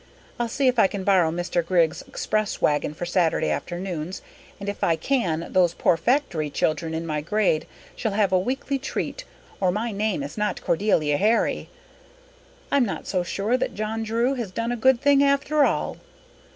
I'll see if I can borrow Mr. Griggs's express wagon for Saturday afternoons, and if I can those poor factory children in my grade shall have a weekly treat or my name is not Cordelia Herry. I'm not so sure but that John Drew has done a good thing after all.